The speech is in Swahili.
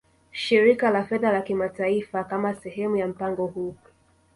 Shirika la Fedha la Kimataifa Kama sehemu ya mpango huu